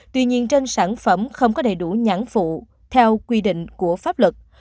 tuy nhiên trên sản phẩm không có đầy đủ nhãn phụ theo quy định của pháp luật